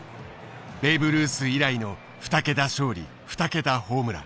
ベーブ・ルース以来の２桁勝利２桁ホームラン。